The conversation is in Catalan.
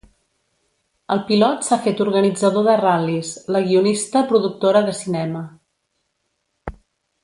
El pilot s'ha fet organitzador de ral·lis, la guionista productora de cinema.